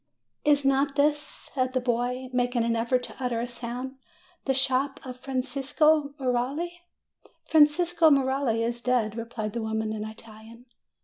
"Is not this," said the boy, making an effort to utter a sound, "the shop of Francesco Merelli?" "Francesco Merelli is dead," replied the woman in Italian.